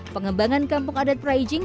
pengembangan kampung adat praijing